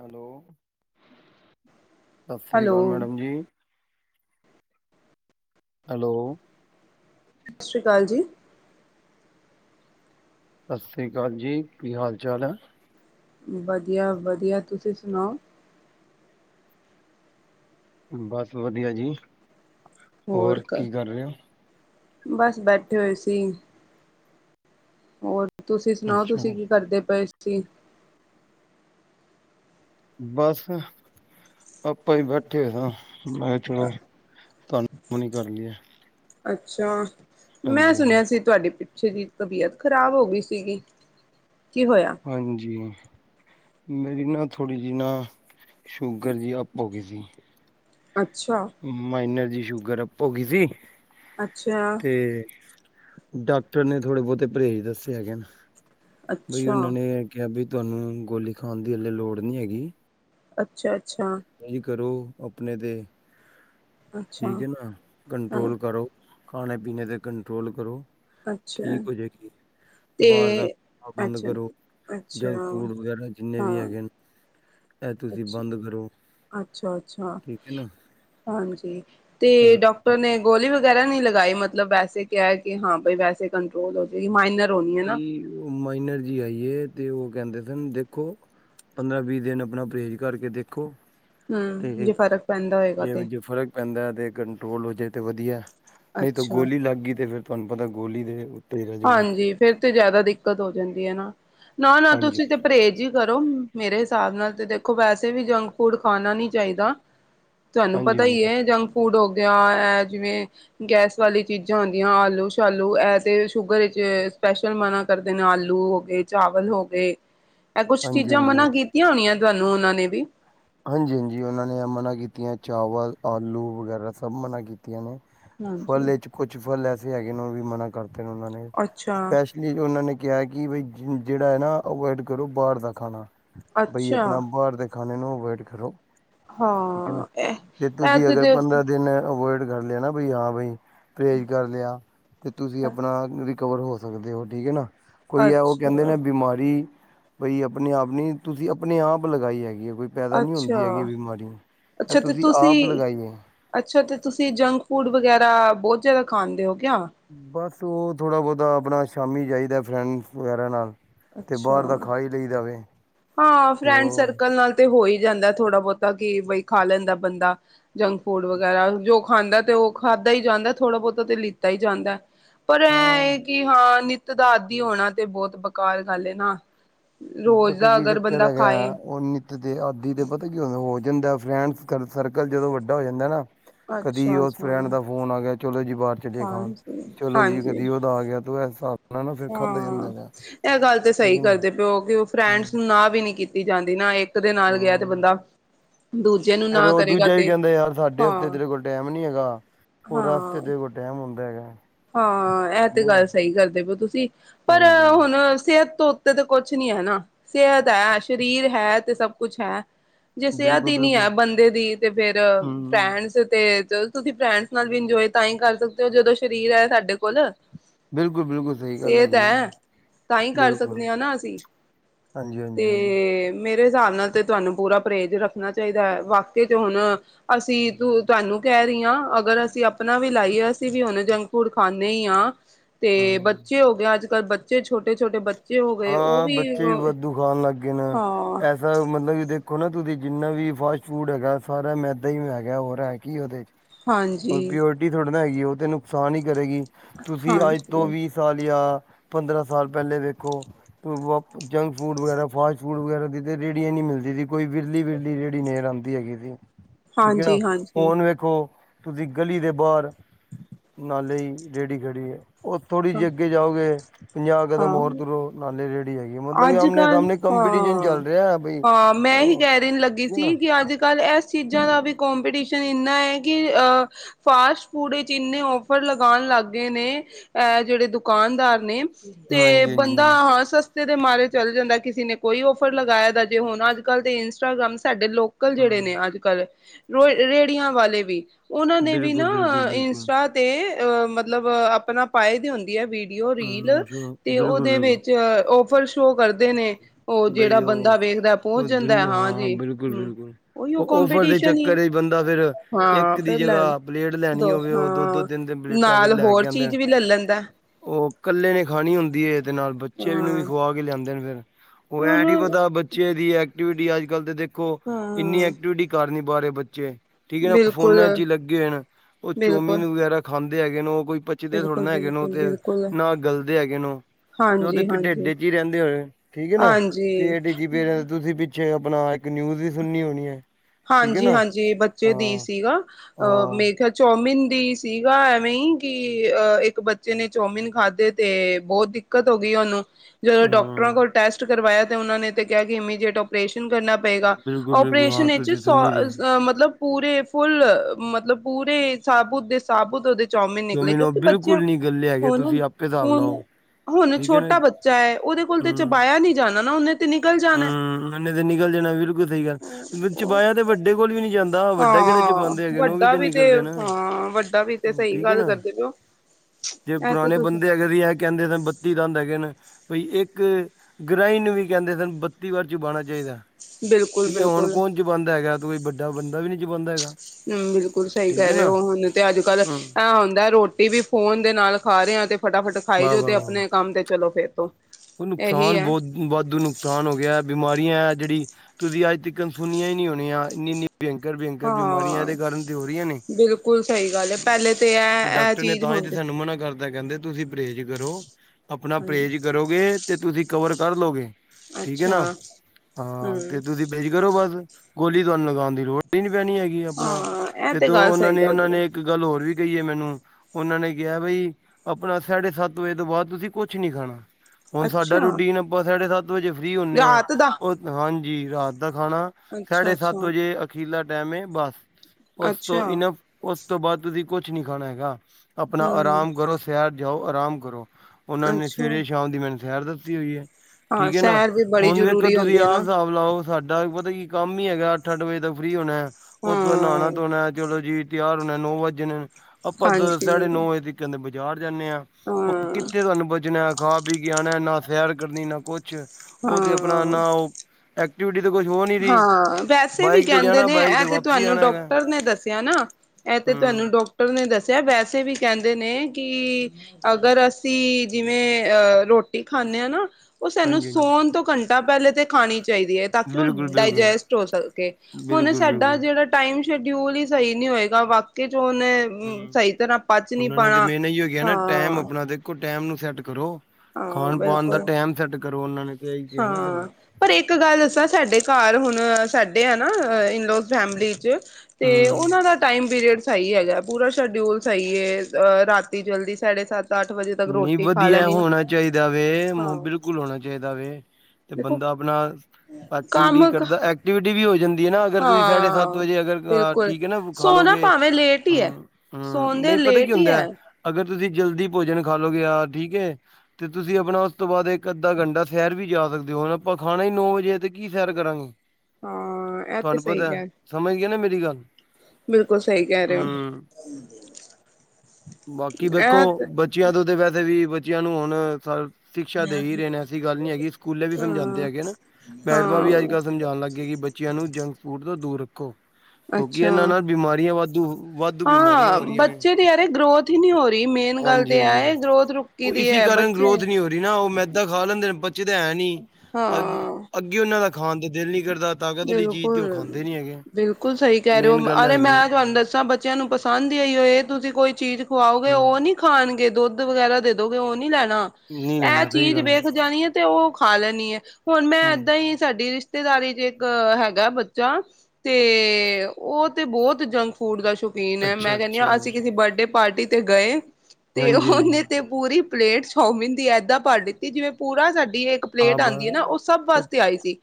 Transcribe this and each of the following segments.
Hello ਸਾਸਰੀ hello, ਕਾਲ madam ਜੀ। ਹੈਲੋ। ਸਸਰੀ ਕਾਲ ਜੀ। ਸਸਰੀ ਕਾਲ ਜੀ। ਕੀ ਹਾਲ ਚਾਲ ਐ? ਵਧੀਆ -ਵਧੀਆ। ਤੁਸੀਂ ਸੁਣਾਓ। ਬਸ ਵਧੀਆ ਜੀ। ਹੋਰ ਕ- ਕੀ ਕਰ ਰਹੇ ਹੋ ਬਸ ਬੈਠੇ ਹੋਏ ਸੀ। ਹੋਰ ਤੁਸੀਂ ਸੁਣਾਓ। ਅੱਛਾ ਤੁਸੀਂ ਕੀ ਕਰਦੇ ਪਏ ਸੀ? ਬਸ -ਆਪਾਂ ਵੀ ਬੈਠੇ ਹੋਏ ਆਂ। ਮੈ- ਚਲੋ। ਤੁਹਾਨੂੰ ੲਨੂੰ ਫੋਨ ਈ ਕਰ ਲੀਏ। ਅੱਛਾ। ਮੈਂ ਹਾਂਜੀ ਸੁਣਿਆ ਸੀ ਤੁਆਡੀ ਪਿਤ- ਪਿਛੇ ਜੀ ਤਬੀਅਤ ਖਰਾਬ ਹੋਗੀ ਸੀਗੀ। ਕੀ ਹੋਇਆ? ਹਾਂਜੀ ਮੇਰੀ ਨਾ ਥੋੜੀ ਜੀ ਨਾ। ਸ਼ੂਗਰ ਜੀ ਅਪ ਹੋ ਗਈ ਸੀ। ਅੱਛਾ ਮਾਈਨਰ ਜੀ। ਸ਼ੂਗਰ ਅਪ ਹੋ ਗਈ ਸੀ। ਅੱਛਾ ਤੇ ਡਾਕਟਰ ਨੇ ਥੋੜੇ ਬੋਤੇ ਪਰੇਜ ਦੱਸੇ ਹੈਗੇ ਨੇ। ਬਈ ਓਨਾਂ ਅੱਛਾ, ਨੇ ਏ ਕਿਆ ਬ‌ਈ ਤੁਆਨੂੰ ਗੋਲੀ ਖਾਣ ਦੀ ਹੱਲਲੇ ਲੋੜ ਨੀ ਹੈਗੀ। ਅੱਛਾ -ਅੱਛਾ। ਇਹੀ ਕਰੋ ਆਪਣੇ ਤੇ। ਠੀਕ ਅੱਛਾ, ਏ ਨਾ ਹਾਂ, ਕੰਟਰੋਲ ਕਰੋ। ਖਾਣੇ ਪੀਣੇ ਤੇ ਕੰਟਰੋਲ ਕਰੋ। ਅੱਛਾ ਠੀਕ ਹੋ ਜੇਗੀ। ਤੇ ਬਾਰ ਦਾ ਖਾਣਾ ਬੰਦ ਅੱਛਾ, ਕਰੋ। ਅੱਛਾ, ਜੰਕ ਫੂਡ ਵਗੈਰਾ ਜਿੰਨੇ ਵੀ ਹਾਂ, ਹੈਗੇ ਨੇ। ਐ ਤੁਸੀਂ ਅੱਛਾ, ਬੰਦ ਕਰੋ। ਅੱਛਾ -ਅੱਛਾ। ਠੀਕ ਹੈ ਨਾ ਹਾਂਜੀ ਤੇ ਹੂੰ ਡਾਕਟਰ ਨੇ- ਗੋਲੀ ਵਗੈਰਾ ਨੀ ਲਗਾਈ। ਮਤਲਬ ਵੈਸੇ ਕਿਆ ਏ ਕੀ ਹਾਂ ਬਈ ਵੈਸੇ ਕੰਟਰੋਲ ਹੋ ਜੇਗੀ। ਮਾਈਨਰ ਹੋਣੀ ਏ ਬਈ ਨਾ ਮਾਈਨਰ ਜੀ ਆਈ ਏ। ਤੇ ਓ ਕੈਂਦੇ ਸਨ ਦੇਖੋ ਪੰਦਰਾਂ- ਵੀਹ ਦਿਨ ਆਪਣਾ ਪਰੇਜ਼ ਕਰਕੇ ਦੇਖੋ। ਹਮ ਜੇ ਤੇ ਫ਼ਰਕ ਪੈਂਦਾ ਹੋਏਗਾ ਜੇ ਤੇ ਵਿਚ ਫਰਕ- ਪੈਂਦਾ ਤੇ ਕੰਟਰੋਲ ਓ ਜੇ ਤੇ ਵਧੀਆ। ਨਈ ਤੇ ਅੱਛਾ ਗੋਲੀ ਲੱਗ ਗਈ ਤੇ ਫੇਰ ਤਾਨੂੰ ਪਤਾ ਗੋਲੀ ਦੇ- ਹੀ ਰਹਿ ਜਾਓਗੇ ਹਾਂਜੀ। ਫੇਰ ਤੇ ਜੈਦਾ ਦਿੱਕਤ ਹੋ ਜਾਂਦੀ ਏ ਨਾ। ਨਾ- ਨਾ ਹਾਂਜੀ ਤੁਸੀਂ ਤੇ ਪਰੇਜ਼ ਈ- ਕਰੋ। ਮੇਰੇ ਹਿਸਾਬ ਨਾਲ ਤੇ ਦੇਖੋ ਵੈਸੇ ਵੀ ਜੰਕ ਫੂਡ ਖਾਣਾ ਨੀ ਚਾਈਦਾ। ਤੁਹਾਨੂੰ ਹਾਂਜੀ ਪਤਾ ਹਾਂਜੀ ਹੀ ਜੰਗ ਫੂਡ ਹੋ ਗਿਆ। ਏ ਜਿਵੇਂ ਗੈਸ ਵਾਲੀ ਚੀਜ਼ਾਂ ਹੁੰਦੀਆਂ ਦੀਆਂ। ਆਲੂ -ਸ਼ਾਲੂ ਇਹ ਤੇ ਸ਼ੂਗਰ ਵਿੱਚ ਸਪੈਸ਼ਲ ਮਨਾ ਕਰਦੇ ਨੇ ਆਲੂ ਹੋ ਗਏ, ਚਾਵਲ ਹੋ ਗਏ। ਇਹ ਕੁਛ ਹਾਂਜੀ ਚੀਜ਼ਾਂ ਹਾਂਜੀ ਮਨਾ ਕੀਤੀਆਂ ਹੋਣੀਆਂ। ਤੁਹਾਨੂੰ ਉਹਨਾਂ ਨੇ ਵੀ ਹਾਂਜੀ -ਹਾਂਜੀ ਉਹਨਾਂ ਨੇ ਏ ਮਨਾ ਕੀਤੀਆਂ ਚਾਵਲ, ਆਲੂ ਵਗੈਰਾ ਸਭ ਮਨਾ ਕੀਤਾ ਨੇ ਹਾਂਜੀ। ਫਲ ਚ ਕੁਛ ਫਲ ਐਸੇ ਹੈਗੇ ਨੇ। ਓ ਵੀ ਮਨਾ ਕਰਤੇ ਨੇ ਉਹਨਾਂ ਨੇ। ਅੱਛਾ, ਸਪੈ ਉਹਨਾਂ ਨੇ ਕਿਹਾ ਕਿ ਬਈ ਜਿਹੜਾ ਹੈ। ਨਾ ਅਵੋਇਡ ਕਰੋ ਬਾਹਰ ਦਾ ਖਾਣਾ ਬਈ ਅੱਛਾ ਆਪਣਾ ਬਾਹਰ ਦੇ ਖਾਣੇ ਨੂੰ ਅਵਾਇਡ ਕਰੋ ਠੀਕ ਹੈ ਨਾ। ਹਾਂ ਇਹ ਤੇ ਇਹ ਤੁਸੀਂ ਅਗਰ ਦੇ ਪੰਦਰਾਂ ਦਿਨ ਅਵੋਇਡ ਕਰ ਲਿਆ ਨਾ। ਬਈ ਹਾਂ ਬਈ ਪਰਹੇਜ਼ ਕਰ ਲਿਆ। ਤੇ ਤੁਸੀਂ ਆਪਣਾ ਰਿਕਵਰ ਹੋ ਸਕਦੇ ਹੋ। ਠੀਕ ਹੈ ਨਾ। ਕੋਈ ਹੈ ਉਹ ਕਹਿੰਦੇ ਅੱਛਾ, ਨੇ ਬਿਮਾਰੀ ਬਈ ਆਪਣੇ ਆਪ ਨੀ। ਤੁਸੀਂ ਆਪਣੇ ਆਪ ਲਗਾਈ ਹੈਗੀ ਹੈ ਕੋਈ ਪੈਦਾ ਨਹੀ ਹੁੰਦੀ ਹੈਗੀ ਅੱਛਾ, ਬਿਮਾਰੀ। ਇਹ ਅੱਛਾ ਤੇ ਤੁਸੀਂ ਆਪ ਲਗਾਈਏ। ਅੱਛਾ। ਤੇ ਤੁਸੀਂ ਜੰਕ ਫੂਡ ਵਗੈਰਾ ਬਹੁਤ ਜ਼ਿਆਦਾ ਖਾਂਦੇ ਹੋ ਕਯਾ ਬਸ ਓਹ ਥੋੜ੍ਹਾ ਬਹੁਤਾ। ਆਪਣਾ ਸ਼ਾਮੀ ਜਾਈਦਾ ਫਰੈਂਡ ਵਗੇਰਾ ਨਾਲ ਤੇ ਬਾਹਰ ਦਾ ਅੱਛਾ। ਖਾ ਈ ਲਈਦਾ ਵੇ। ਹਾਂ ਤੇ ਫਰੈਂਡ ਉਹ ਸਰਕਲ ਨਾਲ ਤੇ ਹੋ ਈ ਜਾਂਦਾ ਥੋੜ੍ਹਾ ਬੋਤਾ, ਕਿ ਬਈ ਖਾ ਲੈਂਦਾ ਬੰਦਾ। ਜੰਕ ਫੂਡ ਵਗੈਰਾ, ਜੋ ਖਾਂਦਾ ਤੇ ਓ ਖਾਧਾ ਈ ਜਾਂਦਾ, ਥੋੜਾ ਬੋਤਾ ਤੇ ਲਿੱਤਾ ਈ ਜਾਂਦਾ। ਪਰ ਐ ਹਾਂ ਏ ਕਿ ਹਾਂ ਨਿੱਤ ਦਾ ਆਦਿ ਹੋਣਾ ਤੇ ਬੋਤ ਬੇਕਾਰ ਗੱਲ ਏ ਨਾ। ਰੋਜ਼ ਪਤਾ ਦਾ ਕੀ ਅਗਰ ਚੱਕਰ ਬੰਦਾ ਹੈਗਾ ਖਾਏ ਓ ਨੀ ਨਿੱਤ ਦੇ ਆਦਿ ਦੇ ਪਤਾ ਕੀ ਹੁੰਦਾ, ਹੋ ਜਾਂਦਾ ਫਰੈਂਡਸ ਸਰਕਲ ਜਦੋਂ ਵੱਡਾ ਹੋ ਜਾਂਦਾ ਨਾ, ਕਦੀ ਅੱਛਾ ਓਹ ਅੱਛਾ ਫਰੈਂਡ ਦਾ ਫੋਨ ਆ ਗੇਆ, ਚਲੋ ਜੀ ਬਾਹਰ ਚਲਿਏ ਖਾਣ, ਹਾਂਜੀ ਚਲੋ ਜੀ ਹਾਂਜੀ ਕਦੀ ਓਦਾ ਆ ਗਿਆ, ਤੇ ਐਸਤਰਾ ਹੁੰਦਾ। ਹਾਂ ਏਹ ਗੱਲ ਤੇ ਠੀਕ ਸਈ ਹੈ ਨਾ। ਕਰਦੇ ਪਏ ਓ, ਕਿ ਓਹ ਹੂੰ ਫਰੈਂਡਸ ਨੂੰ ਨਾ ਵੀ ਨੀ ਕੀਤੀ ਜਾਂਦੀ ਨਾ ਏ ਕਦੇ ਨਾਲ ਗੇਆ ਤੇ ਹੂੰ ਬੰਦਾ ਦੂਜੇਆ ਨੂੰ ਫੇਰ ਨਾ ਉਹ ਕਰੇਗਾ ਦੂਜਾ ਵੀ ਤੇ ਕਹਿੰਦਾ ਯਾਰ ਸਾਡੇ ਵਾਸਤੇ ਹਾਂ -ਹਾਂ। ਕਿਸੇ ਕੋਲ ਟੈਮ ਹੁੰਦਾ ਹੈਗਾ। ਹਾਂ ਏ ਠੀਕ ਤੇ ਹੈ ਨਾ ਗੱਲ ਸਹੀ ਕਰਦੇ ਪੇ ਤੁਸੀਂ, ਪਰ ਹਾਂਜੀ। ਹੁਣ ਸਿਹਤ ਤੋਂ ਤੇ ਉਤੇ ਕੁਛ ਨੀ ਹੈ ਨਾ, ਸੇਹਤ ਹੈ ਸਰੀਰ ਹੈ ਤੇ ਸਭ ਕੁਛ ਹੈ। ਜੇ ਸੇਹਤ ਬਿਲਕੁਲ ਹੀ ਨੀ ਹੈ ਬਿਲਕੁਲ ਬੰਦੇ ਦੀ, ਤੇ ਫੇਰ ਹੂੰ ਫਰੈਂਡਸ ਤੇ ਤੁਸੀਂ ਫਰੈਂਡਸ ਨਾਲ ਵੀ ਇੰਜੋਏ ਤਾਂ ਈ ਕਰ ਸਕਦੇ ਹੋ, ਜਦੋਂ ਸਰੀਰ ਹੈ ਸਾਡੇ ਕੋਲ। ਬਿਲਕੁਲ ਬਿਲਕੁਲ ਸਹੀ ਗੱਲ ਸੇਹਤ ਹੈਗੀ ਹੈ, ਤਾਂ ਈ ਕਰ ਬਿਲਕੁਲ। ਸਕਦੇ ਹਾਂ ਨਾ ਅਸੀਂ। ਹਾਂਜੀ ਹਾਂਜੀ ਹੂੰ ਤੇ ਮੇਰੇ ਹਿਸਾਬ ਨਾਲ ਤੇ ਤੁਹਾਨੂੰ ਪੂਰਾ ਪਰੇਜ਼ ਰੱਖਣਾ ਚਾਈਦਾ ਐ, ਬਾਕਿ ਤਾ ਹੁਣ ਅਸੀਂ ਤੁ ਤੁਹਾਨੂੰ ਕੈਹ ਰਹੀ ਆ, ਅਗਰ ਅਸੀਂ ਆਪਣਾ ਵੀ ਲਾਈਏ, ਅਸੀਂ ਵੀ ਹੁਨ ਜੰਕ ਫੂਡ ਖਾਂਨੇ ਈ ਆ, ਤੇ ਬੱਚੇ ਹੋ ਗਏ ਅੱਜ -ਕੱਲ ਬੱਚੇ ਛੋਟੇ- ਛੋਟੇ ਬੱਚੇ ਬੱਚੇ ਹੋ ਗਏ, ਓਹ ਵੀ---ਅ, ਖਾਨ ਲਾਗੇ ਨੇ ਐਸੇ ਅ, ਮਤਲਬ ਕੀ, ਦੇਖੋ ਨਾ ਤੁਸੀਂ ਜਿੰਨਾ ਵੀ ਫਾਸਟ -ਫੂਡ ਹੈਗਾ, ਸਾਰਾ ਮੈਦਾ ਈ ਹੈਗਾ, ਹੋਰ ਹੈ ਕੀ ਓਹਦੇ ਵਿੱਚ- ਹਾਂਜੀ ਪਿਓਰਟੀ ਥੋੜ੍ਹੀ ਨਾ ਹੈਗੀ, ਓ ਤੇ ਨੁਕਸਾਨ ਈ ਕਰੇਗੀ ਤੁਸੀਂ ਅੱਜ ਤੋਂ ਹਾਂਜੀ ਵੀ ਸਾਲ ਜਾਂ ਪੰਦਰਾਂ ਸਾਲ ਪੇਲੇ ਵੇਖੋ। ਜੰਕ ਫੂਡ ਵਗੈਰਾ -ਫਾਸਟ ਫੂਡ ਵਗੈਰਾ ਦੀ ਤਾਂ ਰੇਹੜੀ ਈ ਨਈ ਮਿਲਦੀ ਸੀ, ਕੋਈ ਵਿਰਲੀ -ਵਿਰਲੀ ਰੇਹੜੀ ਨਜਰ ਆਂਦੀ, ਹੈਗੀ ਸੀ ਠੀਕ ਹੈ ਨਾ, ਹਾਂਜੀ ਹਾਂਜੀ ਹੁਣ ਵੇਖੋ ਤੁਸੀਂ ਗਲੀ ਦੇ ਬਾਹਰ ਨਾਲੇ ਈ ਰੇੜੀ ਖੜੀ ਏ, ਓ ਥੋੜ੍ਹੀ ਹਾਂ ਜੇਹੀ ਅੱਗੇ ਜਾਓਗੇ, ਪੰਜਾਹ ਕਦਮ ਹਾਂ ਹੋਰ ਤੁਰੋ ਨਾਲੇ ਰੇੜੀ ਹੈਗੀ, ਮਤਲਬ ਅੱਜ ਆਮਣੇ ਕੱਲ -ਸਾਮਣੇ ਕੰਪੀਟੀਸ਼ਨ ਹਾਂ ਚੱਲ ਰੇ ਆ, ਬਈ ਹਾਂ ਮੈਂ ਹੀ ਓਹ ਕਹਿ ਰਹੀ ਲੱਗੀ ਠੀਕ ਐ ਸੀ ਨਾ। ਕਿ ਅੱਜ ਕੱਲ੍ਹ ਏਸ ਚੀਜ਼ਾਂ ਦਾ ਵੀ ਕੋਂਪੀਟੀਸ਼ਨ ਏਨਾ ਐ ਕਿ ਅਹ ਫਾਸਟ -ਫੂਡ ਵਿੱਚ ਏਨੇ ਔਫਰ ਲਗਾਣ ਲੱਗ ਗਏ ਨੇ ਅ ਜੇੜੇ ਦੁਕਾਨਦਾਰ ਨੇ ਤੇ ਹਾਂਜੀ ਹਾਂਜੀ ਬੰਦਾ ਹਾ ਸਸ ਤੇ, ਦੇ ਮਾਰੇ ਚੱਲ ਜਾਂਦਾ, ਕਿਸੇ ਨੇ ਕੋਈ ਔਫਰ ਲਗਾਇਆ ਦਾ ਜੇ ਹੁਣ ਅੱਜ- ਕੱਲ੍ਹ ਦੇ ਇੰਸਟਾਗ੍ਰਾਮ ਸਾਡੇ ਲੋਕਲ ਜੇੜੇ ਹਮ ਨੇ ਅੱਜ -ਕੱਲ੍ਹ, ਰੋ- ਰੇੜੀਆਂ ਵਾਲੇ ਵੀ ਓਨਾਂ ਨੇ ਵੀ ਬਿਲਕੁਲ ਨਾ, ਬਿਲਕੁਲ ਬਿਲਕੁਲ ਇੰਸਟਾ ਤੇ ਅ ਮਤਲਬ ਆਪਣਾ ਪਾਏ ਦੇ ਹੁੰਦੇ ਜਾ ਵੀਡੀਓ ਰੀਲ ਤੇ ਓਦੇ ਵਿੱਚ ਓ ਪਰ ਸ਼ੋ ਕਰਦੇ ਨੇ ਓ, ਜੇੜਾ ਬੰਦਾ ਵੇਖਦਾ ਪੋਚ ਜਾਂਦਾ ਹਾਂ ਜੀ, ਬਿਲਕੁਲ ਹੂ ਬਿਲਕੁਲ ਓ, ਈ, ਓ ਉਹ ਆਫਰ ਦੇ ਕੋੰਪਟੀਸ਼ਨ ਈ ਚੱਕਰ 'ਚ ਬੰਦਾ ਫਿਰ ਆ, ਹਾ ਇੱਕ ਦੀ ਫੇਰ ਲੈ ਜਗ੍ਹਾ ਪਲੇਟ ਲੈਣੀ ਦੋ ਹੋਵੇ ਉਹ ਦੋ ਦੋ ਹਾਂ ਤਿੰਨ ਤਿੰਨ ਨਾਲ ਹੋਰ ਚੀਜ਼ ਵੀ ਲੈਲ ਲੈਂਦਾ। ਓ ਕੱਲੇ ਨੇ ਖਾਣੀ ਹੁੰਦੀ ਏ, ਤੇ ਨਾਲ ਬੱਚੇ ਨੂੰ ਵੀ ਹਾਂ ਖੁਵਾ ਕੇ ਲਿਆਂਦੇ ਨੇ ਫੇਰ ਓ ਐਂ ਹੁਣ ਨੀ ਪਤਾ, ਬੱਚੇ ਦੀ ਐਕਟੀਵਿਟੀ ਅੱਜ- ਕੱਲ ਤੇ ਦੇਖ ਦੇਖੋ ਹਾਂ ਇੰਨੀ ਐਕਟੀਵਿਟੀ ਕਰ ਨਈ ਪਾ ਰਏ ਬੱਚੇ ਠੀਕ ਐ ਨਾ, ਬਿਲਕੁਲ ਫੋਨਾ ਚ ਈ ਲੱਗੇ ਰੈਨਾ, ਓਹ ਬਿਲਕੁਲ ਚੋਮੀਨ ਵਗੈਰਾ ਖਾਂਦੇ ਹੈਗੇ ਨੇ ਉਹ ਕੋਈ ਭ ਚਿਦੇ ਥੋੜ੍ਹੇ ਬਿਲਕੁਲ ਨਾ ਹੈਗੇ ਨੇ ਬਿਲਕੁਲ ਤੇ ਬਿਲਕੁਲ ਨਾ ਗਲਦੇ ਹੈਗੇ ਨੂੰ ਤੇ ਹਾਂਜੀ ਉਹਦੇ ਡਿਡ ਹਾਂਜੀ ਹੀ ਰਹਿੰਦੇ ਹੋਣੇ ਠੀਕ ਹੈ ਨਾ ਪ ਹਾਂਜੀ ਚ ਪੀੜ ਤੁਸੀਂ ਪਿੱਛੇ ਆਪਣਾ ਇੱਕ ਨਿਊਜ਼ ਵੀ ਸੁਣਨੀ ਹੋਣੀ ਏ। ਹਾਂਜੀ-ਹਾਂਜੀ ਬੱਚੇ ਦੀ ਸੀਗਾ ਅਹ ਹਾਂ। ਮੇਘਕ ਚੌਮਿਨ ਦੀ ਸੀਗਾ ਐਵੇਂ ਹੀ ਕਿ ਅ ਇੱਕ ਬੱਚੇ ਨੇ ਚੌਮਿਨ ਖਾਧੇ ਤੇ ਬਹੁਤ ਦੀਕਤ ਹੋ ਗਈ ਉਹ ਨੂੰ ਜਦੋਂ ਡਾਕਟਰਾਂ ਹਾਂ ਕੋਲ ਟੈਸਟ ਕਰਵਾਇਆ ਤੇ ਉਹ ਨੇ ਤੇ ਕਿਹਾ ਕਿ ਇਮੀਏਟ ਉਪਰੇਸ਼ਨ ਕਰਨਾ ਪਏਗਾ ਬਿਲਕੁਲ ਬਿਲਕੁਲ ਹਾਂ ਉਪਰੇਸ਼ਨ ਤੁਸੀਂ ਸੁਣਨੀ ਦੀ ਹੈ। ਅ ਮਤਲਬ ਪੂਰੇ ਫੁੱਲ ਮਤਲਬ ਪੂਰੇ ਸਾਬੁਤ ਦੇ ਸਾਬੁਤ ਉਹਦੇ ਚੌਮਿਨ ਨਿਕਲੇ ਮੈਨੂੰ ਕਿਉਂਕਿ ਬੱਚਿਆਂ ਬਿਲਕੁਲ ਨੀ ਗੱਲੇ ਹੈਗੇ ਹੁਣ, ਤੁਸੀਂ ਆਪੇ ਹਿਸਾਬ ਹੁਣ ਲਾਓ ਹੁਣ ਠੀਕ ਹੈ ਨਾ ਛੋਟਾ ਬੱਚਾ ਹੈ ਉਹਦੇ ਕੋਲ ਤੇ ਚਬਾਇਆ ਨੀ ਜਾਣਾ ਨਾ ਉਹਨੇ ਤੇ ਨਿਕਲ ਹੂ ਜਾਣਾ ਉਹਨੇ ਤੇ ਨਿਗਲ ਜਾਣਾ ਬਿਲਕੁਲ ਸਹੀ ਗੱਲ ਉਹ ਚਬਾਇਆ ਤੇ ਵੱਡੇ ਕੋਲ ਵੀ ਨੀ ਜਾਂਦਾ ਵੱਡਾ ਕਿਹੜਾ ਹਾਂ ਚਾਬਾਂਦੇ ਹੈਗੇ ਨੇ ਉਹ ਵੀ ਵੱਡਾ ਤੇ ਨਿਗਲਦੇ ਨੇ। ਹਾਂ ਵੱਡਾ ਵੀ ਤੇ ਸਹੀ ਗੱਲ ਕਰਦੇ ਪਏ ਓ। ਜੇ ਪੁਰਾਣੇ ਬੰਦੇ ਆ ਜਿਹੜੇ ਇਹ ਕਹਿੰਦੇ ਸਨ ਬਤੀ ਦੰਦ ਹੈਗੇ ਨੇ ਬਈ ਇੱਕ ਗਰਾਹੀ ਨੂੰ ਵੀ ਕਹਿੰਦੇ ਸਨ ਬੱਤੀ ਵਾਰ ਚੱਬਨਾ ਚਾਹੀਦਾ ਬਿਲਕੁਲ ਠੀਕ ਹੈ ਹੁਣ ਬਿਲਕੁਲ ਕੌਣ ਚਬੰਦਾ ਹੈਗਾ ਕੋਈ ਵੱਡਾ ਬੰਦਾ ਵੀ ਨਹੀਂ ਚਾਬੰਦਾ ਹੈਗਾ। ਹੂ ਬਿਲਕੁਲ ਸਹੀ ਠੀਕ ਕਹਿ ਹੈ ਰਹੇ ਨਾ ਹੋ ਹੁਣ ਤੇ ਅੱਜ- ਕੱਲ੍ਹ ਹੂੰ। ਇਹ ਹੁੰਦਾ ਰੋਟੀ ਵੀ ਫੋਨ ਦੇ ਨਾਲ ਖਾ ਰਿਹਾ ਤੇ ਫਟਾਫਟ ਖਾਈ ਵਾਹ ਜੋ ਤੇ ਵਾਹ ਵਾਹ ਆਪਣੇ ਕੰਮ ਤੇ ਚਲੋ ਫਿਰ ਤੋਂ ਉਹ ਇਹੀ ਨੁਕਸਾਨ ਆ। ਬਹੁਤ ਵਾਧੂ ਨੁਕਸਾਨ ਹੋ ਗਿਆ ਬਿਮਾਰੀਆਂ ਹੈ ਜਿਹੜੀ ਤੁਸੀਂ ਅੱਜ ਤੱਕ ਸੂਨੀਆਂ ਹੀ ਨਹੀਂ ਹੋਣੀਆਂ ਇੰਨੀ, ਇਨੀ ਭਿਅੰਕਰ, ਭਿਅੰਕਰ ਬਿਮਾਰੀਆਂ ਹਾਂ ਇਹਦੇ ਕਾਰਨ ਤੇ ਹੋ ਰਹੀਆਂ ਨੇ ਬਿਲਕੁਲ ਸਹੀ ਗੱਲ ਹੈ ਪਹਿਲੇ ਤੇ ਇਹ ਇਹ ਡਾਕ ਨੇ ਚੀਜ਼ ਤਾਂ ਹੀ ਤੇ ਹੁੰਦੀ ਸਾਨੂੰ ਮਨਾ ਕਰ ਤਾਂ ਕਹਿੰਦੇ ਤੁਸੀਂ ਪਰਹੇਜ਼ ਕਰੋ ਆਪਣਾ ਹਾਂਜੀ ਪਰਹੇਜ਼ ਕਰੋਗੇ ਤੇ ਤੁਸੀਂ ਕਵਰ ਕਰ ਲੋਗੇ। ਠੀਕ ਹੈ ਨਾ ਅੱਛਾ ਹਾਂ ਹਮ ਤੇ ਤੁਸੀ ਪਰੇਜ ਕਰੋ ਬਸ ਗੋਲੀ ਤੁਹਾਨੂੰ ਲੱਗਣ ਦੀ ਲੋੋੜ ਹੀ ਨੀ ਪੈਣੀ ਹੈਗੀ। ਕਿ ਆਪਣਾ ਹਾਂ ਇਹ ਤੇ ਦੋ ਗੱਲ ਉਹਨਾਂ ਸਹੀ ਨੇ, ਉਹਨਾਂ ਕਰਦੇ ਹੋ ਨੇ ਇੱਕ ਗੱਲ ਹੋਰ ਵੀ ਕਹੀਏ ਮੈਨੂੰ ਉਹਨਾਂ ਨੇ ਕਿਹਾ ਬਈ ਆਪਣਾ ਸਾਢੇ ਸੱਤ ਵਜੇ ਤੋਂ ਬਾਅਦ ਤੁਸੀਂ ਕੁਝ ਨੀ ਖਾਣਾ ਹੁਣ ਸਾਡਾ ਅੱਛਾ ਰੂਟੀਨ ਆਪਾਂ ਸਾਡੇ ਸੱਤ ਸੱਤ ਵਜੇ ਫ੍ਰੀ ਹੁੰਨੇ ਆ ਰਾਤ ਦਾ ਉਹ ਹਾਂਜੀ ਰਾਤ ਦਾ ਖਾਣਾ ਅੱਛਾ ਸਾਡੇ ਸੱਤ ਅੱਛਾ ਵਜੇ ਅਖੀਲਾ ਟੈਮ ਐ ਬਸ ਉਸ ਤੋਂ ਅੱਛਾ ਇਨਫ਼ ਉਸ ਤੋਂ ਬਾਅਦ ਤੁਸੀਂ ਕੁਝ ਨੀ ਖਾਣਾ ਹੈਗਾ। ਆਪਣਾ ਹਮ ਆਰਾਮ ਕਰੋ ਸੈਰ ਜਾਓ ਆਰਾਮ ਕਰੋ ਉਹਨਾਂ ਨੇ ਅੱਛਾ, ਸਵੇਰੇ ਸ਼ਾਮ ਦੀ ਮੈਨੂੰ ਸੈਰ ਦੱਸ ਹੋਈ ਏ। ਹਾਂ ਠੀਕ ਹੈ ਨਾ ਸੈਰ ਵੀ ਬੜੀ ਹੁਣ ਵੇਖੋ ਜ਼ਰੂਰੀ ਤੁਸੀਂ ਹੁੰਦੀ ਹੈ ਆਹ ਨਾ, ਹਿਸਾਬ ਲਾਓ ਸਾਡਾ ਪਤਾ ਕੀ ਕੰਮ ਹੀ ਹੈਗਾ ਅੱਠ-ਅੱਠ ਵਜੇ ਤੱਕ ਫ੍ਰਰੀ ਹੋਣਾ ਉਹ ਤੋਂ ਬਾਅਦ ਨਹਾਨਾ ਹਾਂ। ਧੋਉਣਾ ਚਲੋ ਜੀ ਤਿਆਰ ਹੋਣਾ ਨੌ ਵੱਜ ਜਾਣੇ ਆਪਾਂ ਹਾਂਜੀ, ਸਾਢੇ ਨੌ ਵਜੇ ਤੀਕਨ ਬਾਜਾਰ ਜਾਂਦੇ ਆ ਉਹ ਹਾਂ, ਕਿੱਥੇ ਸਾਨੂੰ ਪਚਣਾ ਖਾ ਪੀ ਕੇ ਆਉਣਾ ਨਾ ਸੈਰ ਕਰਨੀ ਨਾ ਕੁਛ ਉਹ ਤੇ ਆਪਣਾ ਹਾਂ। ਨਾ ਉਹ ਐਕਟੀਵਿਟੀ ਤਾਂ ਕੁਛ ਹੋ ਨਹੀਂ ਰਹੀ ਹਾਂ ਵੈਸੇ ਵੀ ਬਾਈਕ ਤੇ ਕਹਿੰਦੇ ਜਾਣਾ ਨੇ ਬਾਈਕ ਇਹ ਤੇ ਵਾਪਸੀ ਤੁਹਾਨੂੰ ਆਉਣਾ ਹੈਗਾ। ਡਾਕਟਰ ਨੇ ਦੱਸਿਆ ਨਾ ਇਹ ਤੇ ਹਮ ਤੁਹਾਨੂੰ ਡਾਕਟਰ ਨੇ ਦੱਸਿਆ ਵੈਸੇ ਵੀ ਕਹਿੰਦੇ ਨੇ ਕਿ ਅਗਰ ਅਸੀਂ ਜਿਵੇਂ ਅਹ ਰੋਟੀ ਖਾਂਦੇ ਹਾਂ ਨਾ ਉਹ ਸਾਨੂੰ ਹਾਂਜੀ ਹਾਂਜੀ ਸੋਣ ਤੋਂ ਘੰਟਾ ਪਹਿਲੇ ਤੇ ਖਾਣੀ ਚਾਹੀਦੀ ਏ ਬਿਲਕੁਲ ਬਿਲਕੁਲ ਡਾਇਜੈਸਟ ਹੋ ਸਕੇ ਹੁਣ ਬਿਲਕੁਲ ਸਾਡਾ ਬਿਲਕੁਲ ਜਿਹੜਾ ਟਾਈਮ ਸ਼ਡਿਊਲ ਹੀ ਸਹੀ ਨੀ, ਹੋਏਗਾ ਬਾਕੀ ਜੋਨ ਹਮ, ਸਹੀ ਤਰ੍ਹਾਂ ਪ ਚ ਨੀ ਪੰਨਾ ਹਾਂ। ਓ ਟੈਮ ਨੂੰ ਸੈੱਟ ਕਰੋ ਹਾਂ ਖਾਣ -ਪਾਣ ਦਾ ਬਿਲਕੁਲ ਟੈਮ ਸੈੱਟ ਕਰੋ, ਉਹਨਾਂ ਨੇ। ਤੇ ਇਹੀ ਕਿਹਾ ਨਾ ਹਾਂ। ਸਾਨੂੰ ਪਰ ਇੱਕ ਗੱਲ ਦੱਸਾਂ, ਸਾਡੇ ਘਰ ਹੁਣ ਸਾਡੇ ਆ ਨਾ ਇਨਲੋ ਫੈਮਲੀ ਚ ਤੇ ਹੂੰ। ਉਨਾਂ ਦਾ। ਟਾਈਮ ਪੀਰੀਅਡ ਸਹੀ ਹੈਗਾ ਪੂਰਾ, ਸ਼ਡਿਊਲ ਸਹੀ ਏ ਰਾਤੀ ਜਲਦੀ ਸਾਢੇ ਸੱਤ। ਅੱਠ ਵਜੇ ਤੱਕ ਨਈ ਰੋਟੀ ਖਾ ਵਧੀਆ ਲੈਣੀ ਆ ਹੋਣਾ ਚਾਹੀਦਾ ਵੇ, ਹਾਂ ਬਿਲਕੁਲ ਹੋਣਾ ਚਾਹੀਦਾ ਵੇ। ਤੇ ਦੇਖੋ ਬੰਦਾ ਆਪਣਾ। ਕੰਮ ਐਕਟੀਵਿਟੀ ਕਰਦਾ, ਐਕਟੀਵਿਟੀ ਵੀ ਹੋ ਜਾਂਦੀ ਨਾ ਅਗਰ ਤੁਸੀਂ ਸਾਢੇ ਸੱਤ ਹਾਂ ਵਜੇ ਅਗਰ, ਬਿਲਕੁਲ ਠੀਕ ਹੈ ਨਾ। ਖਾ ਸੋਨਾ ਲਓਗੇ ਭਾਵੇਂ ਲੇਟ ਹੀ ਹੈ ਹਮ- ਹਮ ਸੌਦੇ ਨਹੀਂ ਪਤਾ ਕੀ ਲੇਟ ਹੀ ਹੁੰਦਾ, ਹੈ ਅਗਰ ਤੁਸੀਂ ਜਲਦੀ। ਭੋਜਨ ਖਾ ਲਓਗੇ ਯਾਰ ਠੀਕ ਹੈ। ਤੇ ਤੁਸੀਂ ਆਪਣਾ ਉਸ ਤੋਂ ਬਾਅਦ ਇੱਕ ਅੱਧਾ ਘੰਡਾ ਸ਼ਹਿਰ ਵੀ ਜਾ ਸਕਦੇ ਹੋ, ਹੁਣ ਆਪਾਂ ਖਾਣਾ ਹੀ ਨੌ ਵਜੇ ਤੇ। ਕੀ ਸੈਰ ਕਰਾਂਗੇ, ਹਾਂ ਇਹ ਤੇ ਤੁਹਾਨੂੰ ਸਹੀ ਪਤਾ, ਕਹਿ ਸਮਝ ਗਏ ਨਾ ਮੇਰੀ ਗੱਲ। ਬਿਲਕੁਲ, ਸਹੀ ਕਹਿ ਰਹੇ ਓ। ਹੂੰ ਬਾਕੀ ਵੇਖੋ ਬੱਚਿਆਂ ਦੇ ਵੈਸੇ ਵੀ ਬੱਚਿਆਂ ਨੂੰ ਹੁਣ ਸ ਸਿਕਸ਼ਾ ਦੇ ਹੀ ਰਹੇ ਨੇ, ਐਸੀ ਗੱਲ ਨੀ ਹੈਗੀ, ਸਕੂਲੇ ਵੀ ਸਮਝਾਉਂਦੇ ਹਾਂ ਹੈਗੇ ਨਾ, ਮੈਡਮਾਂ ਹਾਂ ਵੀ ਅੱਜ- ਕੱਲ ਸਮਝਾਣ ਲੱਗੇ ਗਏ ਕਿ। ਬੱਚਿਆਂ ਨੂੰ ਜੰਕ ਫੂਡ ਤੋਂ ਦੂਰ ਰੱਖੋ, ਕਿਉਂਕਿ ਇਹਨਾਂ ਅੱਛਾ ਨਾਲ ਬਿਮਾਰੀਆਂ ਵਾਧੂ। ਵਾਧੂ ਬਿਮਾਰੀਆਂ ਹਾਂ ਹੋ ਰਹੀਆਂ ਨੇ ਬੱਚੇ ਦੀ ਅਰੇ ਗਰੋਥ ਹੀ ਨਹੀਂ ਹੋ ਰਹੀ, ਮੇਨ ਗੱਲ। ਹਾਂਜੀ ਤੇ ਹਾਂਜੀ ਆਏ ਗਰੋਥ ਰੁਕੀ ਦੀ ਐ, ਬੱਚੇ। ਉਹੀ ਨਾ ਉਹ ਮੈਦਾ ਖਾ ਲੈਂਦੇ, ਨੇ ਬੱਚੇ ਤਾਂ ਹੈ ਨੀ, ਅ ਹਾਂ ਅੱਗ। ਕਿ ਉਹਨਾਂ ਦਾ ਖਾਣ ਦਾ ਦਿਲ ਨੀ ਕਰਦਾ। ਤਾਕਤ ਵਾਲੀ ਚੀਜ਼ ਤੇ ਉਹ ਬਿਲਕੁਲ- ਖਾਂਦੇ ਨੀ ਹੈਗੇ ਬਿਲਕੁਲ ਸਹੀ ਕਹਿ ਰਹੇ ਹੋ, ਮੇਨ ਗੱਲ ਅਰੇ ਹੈਗੀ ਹੈ ਮੈਂ ਤੁਹਾਨੂੰ ਦੱਸਾਂ ਬ ਬੱਚਿਆਂ ਨੂੰ ਪਸੰਦ ਹੀ ਇਹੀਓ, ਤੁਸੀਂ ਕੋਈ ਚੀਜ਼ ਖੁਵਾਓਗੇ ਉਹ ਹੂੰ ਨੀ। ਖਾਣਗੇ ਦੁੱਧ ਵਗੈਰਾ ਦੇ ਦੋਗੇ, ਉਹ ਨੀ ਲੈਣਾ ਨਹੀਂ ਇਹ ਲੈਣਾ ਸਹੀ ਚੀਜ਼ ਗੱਲ ਵੇਖ ਜਾਣੀ ਹੈ। ਤੇ ਉਹ ਖਾ ਲੈਣੀ ਏ, ਹੁਣ ਮੈਂ ਹੂੰ ਏਦਾਂ ਹੀ ਸਾਡੀ ਰਿਸ਼ਤੇਦਾਰੀ ਜੇ। ਗ ਹੈਗਾ ਬੱਚਾ ਤੇ, ਉਹ ਤੇ ਬਹੁਤ ਜੰਕ ਫੂਡ ਦਾ ਸ਼ੁਕ। ਪੀਨ ਹੈ, ਅੱਛਾ ਮੈਂ ਕਹਿੰਦੀ ਅੱਛਾ ਹਾਂ, ਅਸੀਂ ਜੀ ਕਿਸੇ ਬਰਡੇ ਪਾਰਟੀ ਤੇ ਗਏ। ਤੇ ਹਾਂਜੀ ਹਾਂਜੀ ਉਹਨੇ ਤੇ ਪੂਰੀ ਪਲੇਟ ਚੌਮਮੀਨ ਦੀ ਏਦਾਂ ਭਰ ਲਿੱਤੀ ਜਿਵੇਂ, ਪੂਰਾ ਸਾ ਦੀ ਇੱਕ ਹਾਂ ਪਲੇਟ ਬ ਆਂਦੀ ਹੈ ਨਾ, ਉਹ ਸਭ ਵਾਸਤੇ ਆਈ ਸੀ,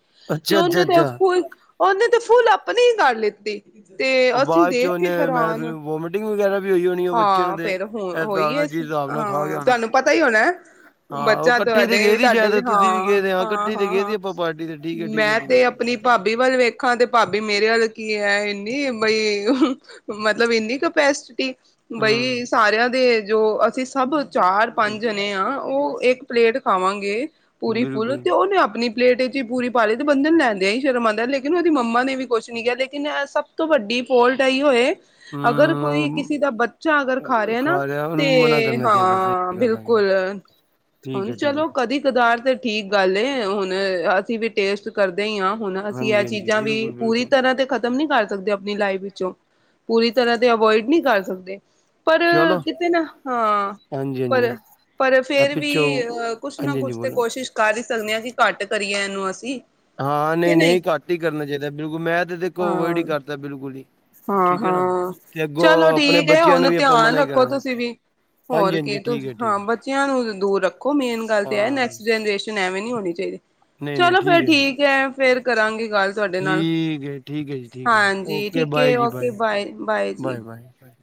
ਤੇ ਅੱਛਾ ਅੱਛਾ ਉਹਨੇ ਤੇ ਅੱਛਾ ਉਹੀ ਉਹਨੇ ਤੇ ਫੂੱਲ, ਆਪਣੀ ਹੀ ਕਰ ਲਿੱਤੀ। ਤੇ ਉਹ ਅਸੀਂ ਬਾਅਦ ਚ ਦੇਖ ਕੇ ਉਹਨੇ ਮੈਂ ਹੈਰਾਨ, ਵੋਮਟਿੰਗ ਵਗੈਰਾ ਵੀ ਹੋਈ ਹੋਣੀ ਆ ਬੱਚੇ ਨੂੰ ਹਾਂ ਤੇ ਇਸ ਫਿਰ‌। ਹੋ ਹਿਸਾਬ ਹੋਈ ਨਾਲ ਏ, ਜਿਸ ਹਿਸਾਬ ਨਾਲ ਖਾ ਗਿਆ ਹਾਂ ਹੋਣਾ ਤੁਹਾਨੂੰ ਪਤਾ ਹੀ ਹੋਣਾ। ਹਾਂ ਉਹ ਬੱਚਾ ਇਕੱਠੇ ਤੇ ਗਏ ਤੁਹਾਡੇ ਸੀ ਸਾਡੇ, 'ਚ ਸ਼ਾਇਦ ਤੁਸੀਂ ਵੀ ਹਾਂ- ਗਏ ਸੀ ਹਾਂ ਇਕੱਠੇ ਤੇ -ਹਾਂ ਗਏ ਸੀ -ਹਾਂ, ਆਪਾਂ ਪਾਰਟੀ ਤੇ ਠੀਕ ਹੈ ਠੀਕ ਹੈ ਮੈਂ ਠੀਕ ਤੇ ਅਪ ਆਪਣੀ ਭਾਬੀ ਵੱਲ ਵੇਖਾਂ ਤੇ ਭਾਬੀ ਮੇਰੇ ਵੱਲ ਕੀ ਹੈ, ਇੰਨੀ ਬਈ। ਮਤਲਬ ਇੰਨੀ ਕਪੈਸਸਿਟੀ। ਹੈ ਬਈ ਸਾਰਿਆਂ ਦੇ ਜੋ ਅਸੀ ਸਭ ਚਾਰ ਪੰਜ ਜਣੇ ਹਾਂ, ਉਹ ਇੱਕ। ਪਲੇਟ ਖਾਵਾਂਗੇ, ਹੂੰ ਪੂਰੀ ਫੁੱਲ ਬਿਲਕੁਲ ਤੇ ਉਹਨੇ ਆਪਣੀ ਪਲੇਟ 'ਚ ਹੀ ਪੂਰੀ ਪਾ ਲਈ, ਤੇ ਬੰਦੇ ਨੂੰ ਲੈ। ਨਹੀ ਸ਼ਰਮ ਆਂਦਾ ਲੇਕਿਨ, ਉਹਦੀ ਮੰਮਾ ਨੇ ਵੀ ਕੁਛ ਨੀ ਕਿਹਾ, ਲੇਕਿਨ ਏ ਸਭ ਤੋਂ ਵੱਡੀ ਫੋਲਟ ਇਹੀ ਹੋਏ। ਅਗਰ ਕੋਈ ਹੂੰ ਕਿਸੀ ਦਾ ਬੱਚਾ ਅਗਰ ਖਾ ਰਿਹਾ ਨਾ। ਉਹਨੂੰ ਮਨਾ ਤੇ ਕਰਨਾ ਚਾਹੀਦਾ ਹਾਂ ਸਹੀ ਗੱਲ ਹੈ ਬਿਲਕੁਲ, ਠੀਕ ਹੁਨ ਹੈ ਠੀਕ ਹੈ ਚਲੋ ਕਦੀ ਕਦਾਰ ਤੇ। ਠੀਕ ਗੱਲ ਏ, ਹੁਣ ਅਸੀਂ ਵੀ ਟੇਸਟ ਕਰਦੇ ਹੀ ਆਂ। ਹੁਣ ਅਸੀਂ ਐਹ ਹਾਂਜੀ ਹਾਂਜੀ ਚੀਜ਼ਾਂ ਵੀ ਬਿਲਕੁਲ ਪੂਰੀ ਬਿਲਕੁਲ ਤਰ੍ਹਾਂ ਤੇ। ਖਤਮ ਨਹੀ ਕਰ ਸਕਦੇ ਆਪਣੀ ਲਾਈਫ ਵਿੱਚੋਂ, ਪੂਰੀ ਤਰ੍ਹਾਂ ਤੇ ਅਵੋਇਡ ਨੀ ਕਰ ਸਕਦੇ। ਪਰ ਚਲੋ ਕਿਤੇ ਨਾ ਹਾਂ ਹਾਂਜੀ ਹਾਂਜੀ ਪਰ। ਪਰ ਇਹ ਫਿਰ ਵੀ ਪਿੱਛੋਂ ਅਹ ਕੁਛ ਨਾ ਹਾਂਜੀ ਹਾਂਜੀ ਕੁਛ ਤੇ ਬੋਲੋ ਕੋਸ਼ਿਸ਼ ਕਰ ਹੀ ਸਕਦੇ ਹਾਂ, ਕਿ ਘੱਟ ਕਰੀਏ ਇਹਨੂੰ ਅਸੀਂ। ਹਾਂ ਨਹੀਂ- ਨਹੀਂ ਘੱਟ ਹੀ ਕਰਨਾ ਚਾਹੀਦਾ, ਬਿਲਕੁਲ ਮੈਂ ਤੇ ਦੇਖੋ ਅਵੋਇਡ ਹਾਂ ਹੀ ਕਰਦਾ ਬਿਲਕੁਲ ਹੀ। ਹਾਂ ਠੀਕ ਹੈ ਨਾ -ਹਾਂ ਤੇ ਅੱਗੋਂ ਚਲੋ ਆਪਣੇ ਠੀਕ ਹੈ, ਬੱਚਿਆਂ ਨੂੰ ਹੁਣ ਵੀ ਆਪਾਂ ਮਨਾ ਧਿਆਨ ਹੀ ਰੱਖੋ ਕਰਾਂਗੇ ਤੁਸੀਂ ਵੀ। ਹਾਂਜੀ ਹੋਰ ਕੀ ਹਾਂਜੀ ਤੁ ਠੀਕ ਹੈ ਠੀਕ ਹਾਂ, ਹੈ ਬੱਚਿਆਂ ਨੂੰ ਦੂਰ ਰੱਖੋ ਮੇਨ ਗੱਲ ਤੇ ਹੈ ਹਾਂ ਨੈਕਸਟ ਜਨਰੇਸ਼ਨ। ਲੇਕਿਨ ਐਵੇਂ ਨੀ ਹੋਣੀ ਚਾਹੀਦੀ, ਚਲੋ, ਫਿਰ ਠੀਕ ਹੈ ਫੇਰ ਕਰਾਂਗੇ ਗੱਲ‌ ਠੀਕ ਐ ਠੀਕ ਐ ਜੀ ਠੀਕ ਐ ਹਾਂਜੀ ਓਕੇ ਠੀਕ ਬਾਏ ਹੈ ਜੀ ਓਕੇ ਬਾਏ- ਜੀ ਬਾਏ- ਬਾਏ- ਬਾਏ-